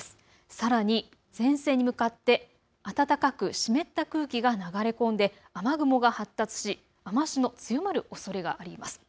さらに前線に向かって暖かく湿った空気が流れ込んで雨雲が発達し雨足の強まるおそれがあります。